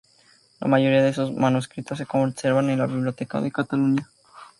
La mayoría de sus manuscritos se conservan en la Biblioteca de Cataluña.